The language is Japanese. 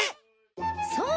そう。